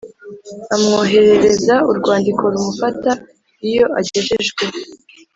amwoherereza urwandiko rumufata Iyo agejejwe